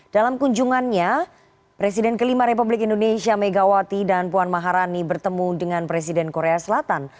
dalam kunjungannya presiden kelima republik indonesia megawati dan puan maharani bertemu dengan presiden korea selatan